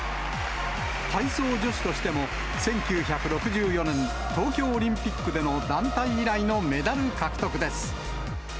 体操女子としても、１９６４年東京オリンピックでの団体以来のメダル獲得です。